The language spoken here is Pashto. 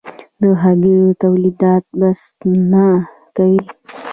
د هګیو تولیدات بسنه کوي؟